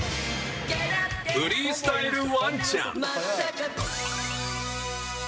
フリースタイルワンちゃん。